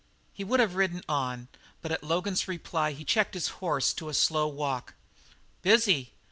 He would have ridden on, but at Logan's reply he checked his horse to a slow walk. "Busy.